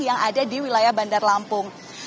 yang ada di wilayah bandar lampung